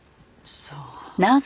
そう。